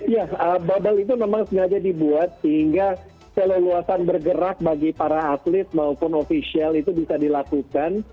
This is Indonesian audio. ya bubble itu memang sengaja dibuat sehingga keleluasan bergerak bagi para atlet maupun ofisial itu bisa dilakukan